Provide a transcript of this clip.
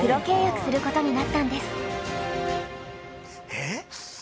えっ？